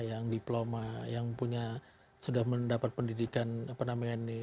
yang diploma yang punya sudah mendapat pendidikan apa namanya ini